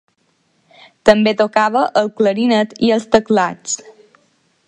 També tocava el clarinet i els teclats.